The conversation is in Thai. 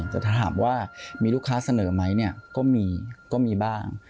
แต่ถ้าถามว่ามีลูกค้าเสนอไหมเนี่ยก็มีก็มีบ้าง